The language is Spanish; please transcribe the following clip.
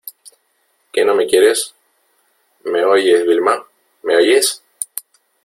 que no me quieres !¿ me oyes , Vilma ?¿ me oyes ?